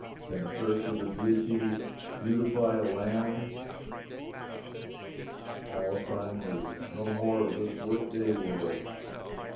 Can the curse of the Deity beautify a land? Palestine is no more of this work day world.